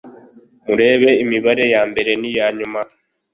murebe imibare ya mbere niya nyuma.